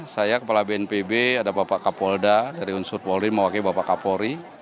saya kepala bnpb ada bapak kapolda dari unsur polri mewakili bapak kapolri